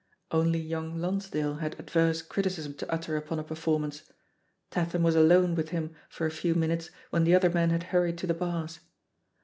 Only young Lonsdale had adverse criticism to utter upon a performance ; Tatham was alone with him for a few minutes when the other men had hurried to the bars.